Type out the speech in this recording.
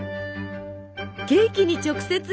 ケーキに直接！？